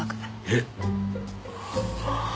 えっ？